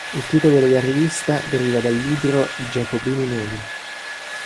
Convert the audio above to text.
Il titolo della rivista deriva dal libro "I giacobini neri.